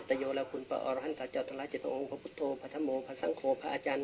เม็ดตะโยแล้วคุณประออรหันต์ท่าเจ้าทะละเจ้าองค์พระพุทธโภคพระธมงค์พระสังโขพระอาจารย์